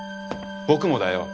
僕もだよ！